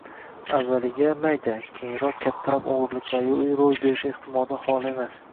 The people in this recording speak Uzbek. avvaliga mayda, keyinchalik kattaroq o‘g‘riliklar ro‘y berishi ehtimoldan xoli emas.